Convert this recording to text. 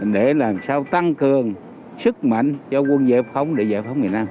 để làm sao tăng cường sức mạnh cho quân giải phóng để giải phóng miền nam